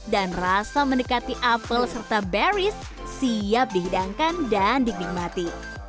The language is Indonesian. dan rasa mendekati apel serta beris siap dihidangkan dan dinikmati